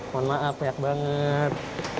mohon maaf banyak banget